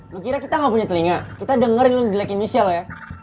lo kira kita gak punya telinga kita dengerin lo dilekin misel ya